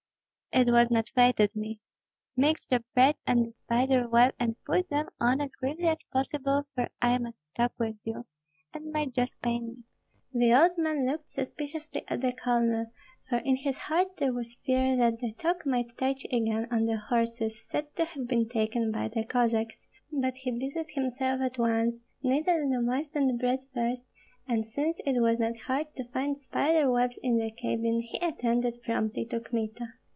"It was not fated me. Mix the bread and the spider web and put them on as quickly as possible, for I must talk with you, and my jaws pain me." The old man looked suspiciously at the colonel, for in his heart there was fear that the talk might touch again on the horses said to have been taken by the Cossacks; but he busied himself at once, kneaded the moistened bread first, and since it was not hard to find spider webs in the cabin he attended promptly to Kmita.